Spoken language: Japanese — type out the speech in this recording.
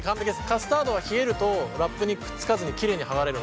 カスタードは冷えるとラップにくっつかずにきれいに剥がれるので。